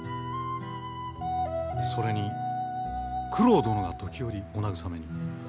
それに九郎殿が時折お慰めに。